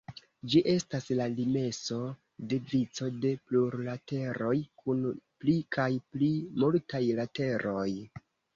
Ĝi estas la limeso de vico de plurlateroj kun pli kaj pli multaj lateroj.